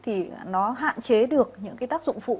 thì nó hạn chế được những cái tác dụng phụ